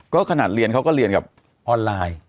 ก็ขนาดเรียนเขาก็เรียนกับออนไลน์